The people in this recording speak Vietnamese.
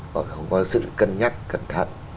hoặc không có sự cân nhắc cẩn thận